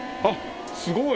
すごい！